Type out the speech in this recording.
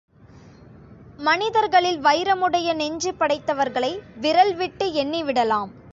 மனிதர்களில் வைரமுடைய நெஞ்சு படைத்தவர்களை விரல் விட்டு எண்ணிவிடலாம்.